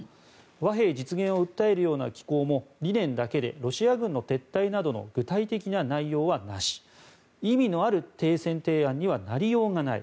和平実現を訴えるような寄稿も理念だけでロシア軍の撤退などの具体的な内容はなし意味のある停戦提案にはなりようがない。